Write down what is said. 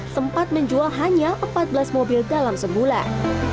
sempat menjual hanya empat belas mobil dalam sebulan